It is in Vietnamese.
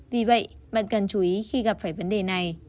vì vậy bạn cần chú ý khi gặp phải vấn đề này